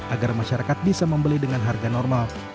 agar masyarakat bisa membeli dengan harga normal